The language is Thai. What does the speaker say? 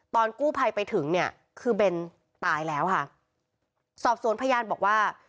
ตอนกู้ภัยไปถึงเนี่ยคือเบนตายแล้วค่ะสอบสวนพยานบอกว่า